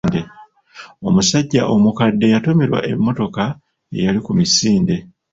Omusajja omukadde yatomerwa emmotoka eyali ku misinde.